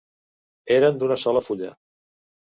Eren d'una sola fulla.